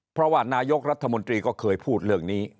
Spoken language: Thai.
เพราะว่านายกรัฐมนตรีก็เคยพูดเรื่องนี้